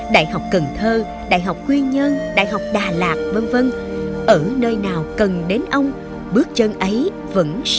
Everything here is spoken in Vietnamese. đại học cần thơ đại học quy nhơn đại học đà lạt v v ở nơi nào cần đến ông bước chân ấy vẫn sống